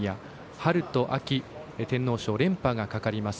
春と秋、天皇賞連覇がかかります。